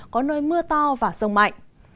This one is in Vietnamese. có nơi mưa to và sông mạnh